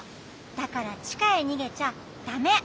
だからちかへにげちゃダメ！